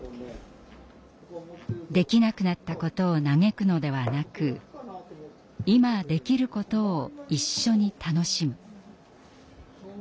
できなくなったことを嘆くのではなく今できることを一緒に楽しむ。